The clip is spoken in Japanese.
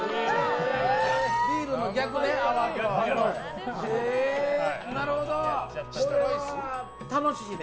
ビールの逆ね。